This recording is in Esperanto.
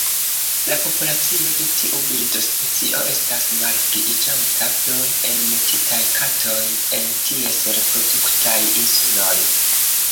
La populacio de tiu birdospecio estas malpliiĝanta pro enmetitaj katoj en ties reproduktaj insuloj.